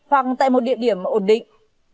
hoặc tại một địa điểm ổn định